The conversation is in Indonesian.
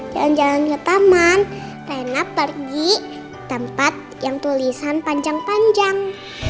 jalan jalan ke taman karena pergi tempat yang tulisan panjang panjang